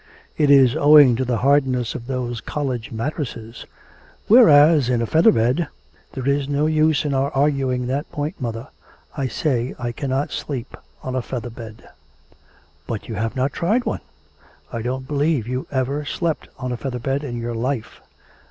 It is owing to the hardness of those college mattresses, whereas in a feather bed ' 'There is no use in our arguing that point, mother. I say I cannot sleep on a feather bed ' 'But you have not tried one; I don't believe you ever slept on a feather bed in your life.'